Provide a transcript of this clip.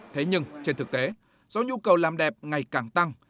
thế nhưng trên thực tế do nhu cầu làm đẹp ngày càng tăng